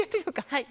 はい。